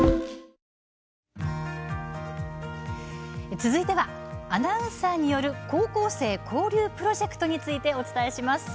続いてはアナウンサーによる高校生交流プロジェクトについてお伝えします。